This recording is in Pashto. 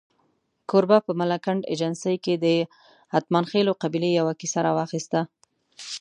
کوربه په ملکنډ ایجنسۍ کې د اتمانخېلو قبیلې یوه کیسه راواخسته.